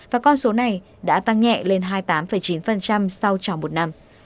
và con số này đã tăng nhẹ lên hai mươi tám chín sau tròn một năm